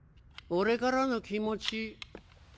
俺からの気持ち。